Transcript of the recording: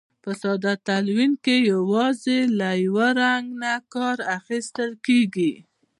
په ساده تلوین کې یوازې له یو رنګ نه کار اخیستل کیږي.